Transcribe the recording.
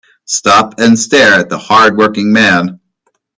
Stop and stare at the hard working man.